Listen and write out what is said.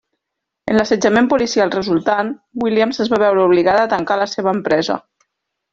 En l'assetjament policial resultant, Williams es va veure obligada a tancar la seva empresa.